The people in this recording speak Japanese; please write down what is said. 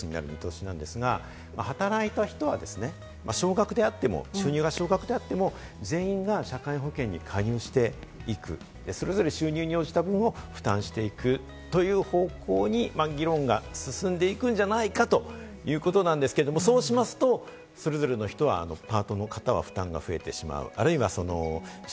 本来議論がどっちに進むかということなんですけれども、年収の壁問題も大きくなるんですが、働いた人はですね、少額であっても収入が少額であっても全員が社会保険に加入していく、それぞれ収入に応じた分を負担していくという方向に議論が進んでいくんじゃないかということなんですけれども、そうしますと、それぞれの人はパートの方は不安が負担が増えてしまう。